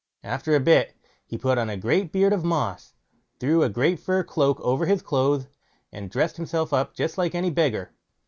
After a bit, he put on a great beard of moss, threw a great fur cloak over his clothes, and dressed himself up just like any beggar.